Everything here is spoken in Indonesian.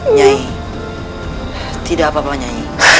nyai tidak apa apa nyai